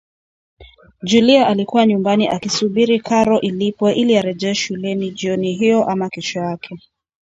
Julia alikuwa nyumbani akisubiri karo ilipwe ili arejee shuleni jioni hiyo ama kesho yake